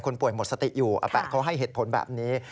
ป่วยหมดสติอยู่อาแปะเขาให้เหตุผลแบบนี้